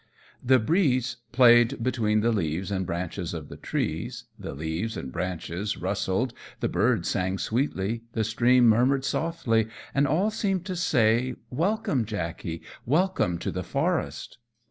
The breeze played between the leaves and branches of the trees, the leaves and branches rustled, the birds sang sweetly, the stream murmured softly, and all seemed to say "Welcome, Jackey! welcome to the forest!"